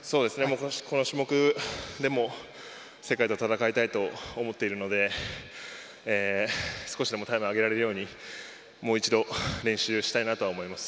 この種目で世界と戦いたいと思っているので少しでもタイムが上げられるようにもう一度練習したいなとは思います。